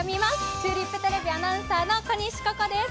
チューリップテレビアナウナーの小西鼓子です。